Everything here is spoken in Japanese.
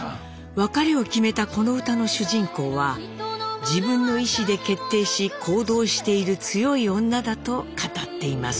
別れを決めたこの歌の主人公は「自分の意思で決定し行動している強い女」だと語っています。